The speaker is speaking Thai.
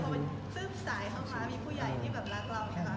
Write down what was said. แต่พอแข็งสายเข้ามามีผู้ใหญ่ที่รักเรา